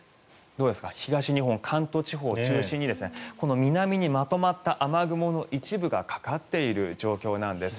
どうですか、東日本関東地方を中心に南にまとまった雨雲の一部がかかっている状況なんです。